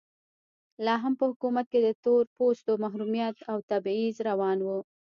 لا هم په حکومت کې د تور پوستو محرومیت او تبعیض روان و.